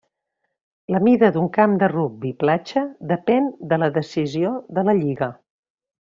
La mida d'un camp de rugbi platja depèn de la decisió de la lliga.